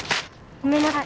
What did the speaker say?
ごめんなさい。